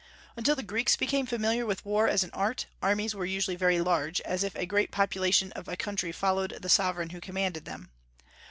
Until the Greeks became familiar with war as an art, armies were usually very large, as if a great part of the population of a country followed the sovereign who commanded them.